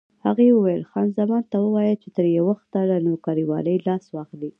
هغې وویل: خان زمان ته ووایه چې تر یو وخته له نوکرېوالۍ لاس واخلي.